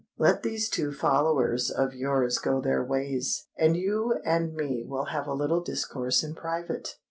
"Let these two followers of yours go their ways—and you and me will have a little discourse in private."